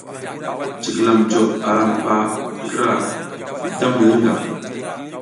Cikilam jo aram ɓa kira jamdi hirnga.